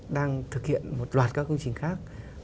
đang thực hiện một loạt các công trình khác